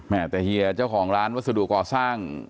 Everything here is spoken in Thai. แต่เฮียเจ้าของร้านวัสดุก่อสร้าง